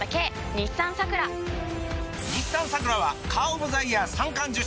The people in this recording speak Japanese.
日産サクラはカーオブザイヤー三冠受賞！